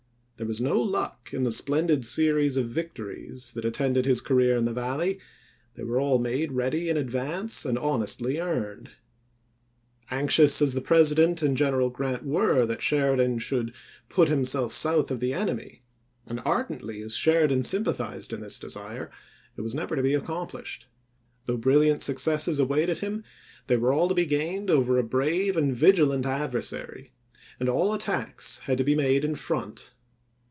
There was no luck in the splendid series of victories that at tended his career in the Valley ; they were all made ready in advance and honestly earned. 292 ABRAHAM LINCOLN George E. Pond, "The Shenan doah Valley," p. 122. Early, "Memoir of the Last Year of the War," p. 75. Anxious as the President and General Grant were that Sheridan should " put himself south of the enemy," and ardently as Sheridan sympathized in this desire, it was never to be accomplished ; though brilliant successes awaited him, they were all to be gained over a brave and vigilant adversary, and all attacks had to be made in front.